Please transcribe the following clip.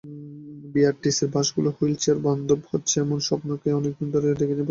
বিআরটিসির বাসগুলো হুইল চেয়ার-বান্ধব হচ্ছে, এমন স্বপ্ন অনেক দিন ধরেই দেখছেন প্রতিবন্ধী ব্যক্তিরা।